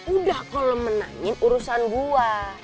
udah kalau menangin urusan gua